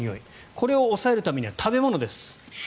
これを抑えるためには食べ物です。